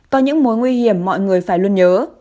có những mối nguy hiểm mọi người phải luôn nhớ